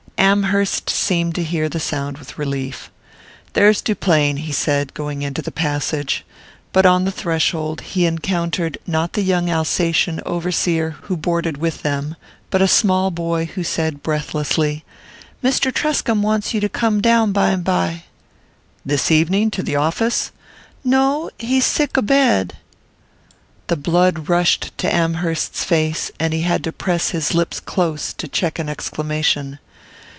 Amherst seemed to hear the sound with relief. "There's Duplain," he said, going into the passage; but on the threshold he encountered, not the young Alsatian overseer who boarded with them, but a small boy who said breathlessly: "Mr. Truscomb wants you to come down bimeby." "This evening? To the office?" "No he's sick a bed." The blood rushed to Amherst's face, and he had to press his lips close to check an exclamation.